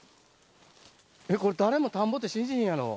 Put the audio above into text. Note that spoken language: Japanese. これ、誰も田んぼって信じひんやろ。